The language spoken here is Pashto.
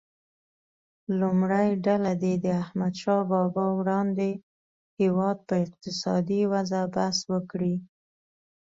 لومړۍ ډله دې د احمدشاه بابا وړاندې هیواد په اقتصادي وضعه بحث وکړي.